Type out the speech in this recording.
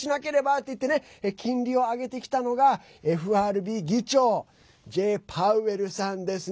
っていって金利を上げてきたのがＦＲＢ議長Ｊ・パウエルさんですね。